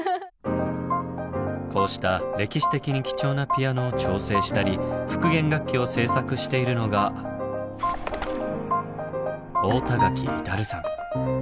こうした歴史的に貴重なピアノを調整したり復元楽器を製作しているのが太田垣至さん。